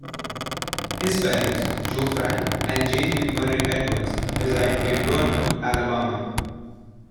His parents, Joe Frank and Jane McMurray Edwards, reside in Roanoke, Alabama.